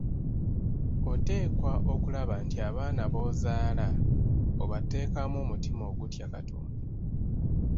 Oteekwa okulaba nti abaana b’ozaala obateekamu omutima ogutya Katonda.